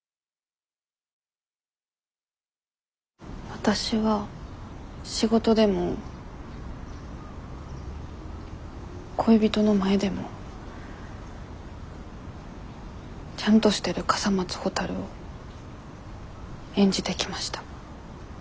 わたしは仕事でも恋人の前でも「ちゃんとしてる笠松ほたる」を演じてきました。